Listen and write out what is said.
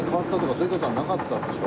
そういう事はなかったんでしょ？